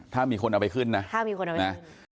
ถ้ามีคนเอาไปขึ้นนะถ้ามีคนเอาไปนะ